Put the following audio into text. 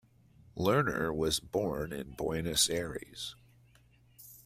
Lerner was born in Buenos Aires.